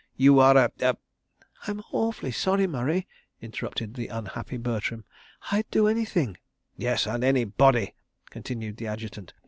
... You are a—a—". "I'm awfully sorry, Murray," interrupted the unhappy Bertram. "I'd do anything—" "Yes—and any body," continued the Adjutant.